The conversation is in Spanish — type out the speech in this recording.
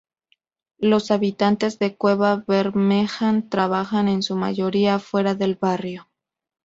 Los habitantes de Cueva Bermeja trabajan en su mayoría fuera del barrio.